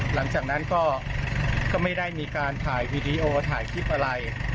หลังจากนั้นก็ไม่ได้มีการถ่ายวีดีโอถ่ายคลิปอะไร